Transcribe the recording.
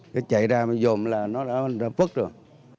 cái chạy ra mà dồn là nó đã vất rồi